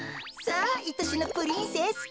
さあいとしのプリンセス。